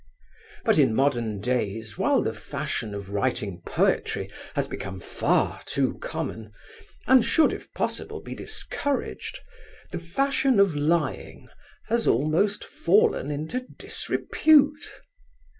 But in modern days while the fashion of writing poetry has become far too common, and should, if possible, be discouraged, the fashion of lying has almost fallen into disrepute.